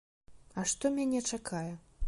А што мяне чакае?